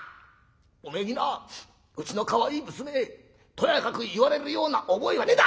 お前になうちのかわいい娘とやかく言われるような覚えはねえんだ！